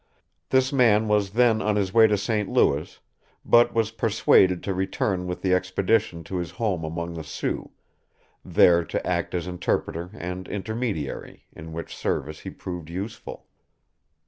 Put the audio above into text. This man was then on his way to St. Louis, but was persuaded to return with the expedition to his home among the Sioux, there to act as interpreter and intermediary, in which service he proved useful.